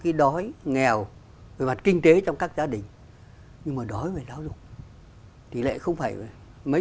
cái đói nghèo về mặt kinh tế trong các gia đình nhưng mà đói về giáo dục tỷ lệ không phải mấy